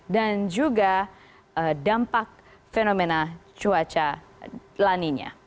dan juga dampak fenomena cuaca lanyenya